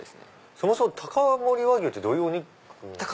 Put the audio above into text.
そもそも高森和牛ってどういうお肉？